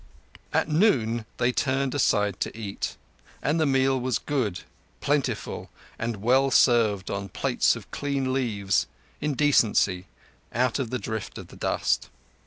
At noon they turned aside to eat, and the meal was good, plentiful, and well served on plates of clean leaves, in decency, out of drift of the dust.